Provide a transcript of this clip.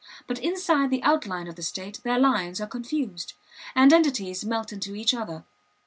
But inside the outline of the state their lines are confused, and entities melt into each other.